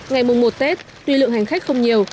ngày mùng một tết tuy lượng hành khách không nhiều